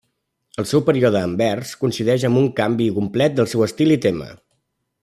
El seu període a Anvers coincideix amb un canvi complet del seu estil i tema.